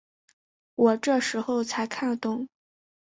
我这时候才看懂